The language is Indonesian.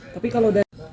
tapi kalau dari